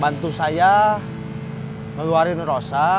bantu saya ngeluarin rosa